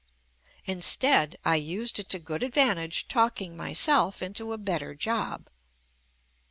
Instead, I used it to good advantage talking myself into a better job.